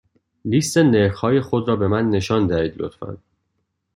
لیست نرخ های خود را به من نشان دهید، لطفا.